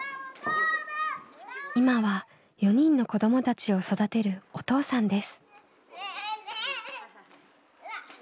今は４人の子どもたちを育てるお父さんです。